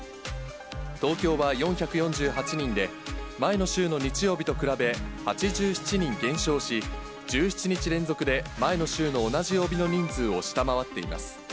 東京は４４８人で、前の週の日曜日と比べ、８７人減少し、１７日連続で前の週の同じ曜日の人数を下回っています。